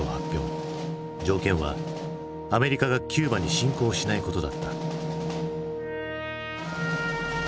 条件はアメリカがキューバに侵攻しないことだった。